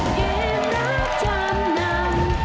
เกมรับจำนำ